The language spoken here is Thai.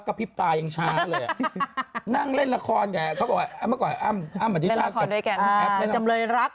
เขานี่นะเขา